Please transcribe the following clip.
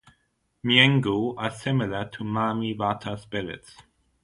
Miengu are similar to Mami Wata spirits.